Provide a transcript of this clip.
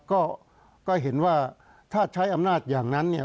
ก็เห็นว่าถ้าใช้อำนาจอย่างนั้นเนี่ย